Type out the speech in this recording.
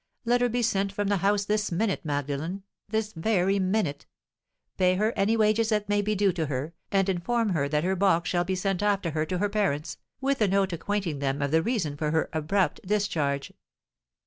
Let her be sent from the house this minute, Magdalen—this very minute! Pay her any wages that may be due to her, and inform her that her box shall be sent after her to her parents, with a note acquainting them of the reason for her abrupt discharge."